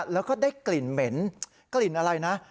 แล้วก็ได้กลิ่นเหม็นกลิ่นอะไรนะ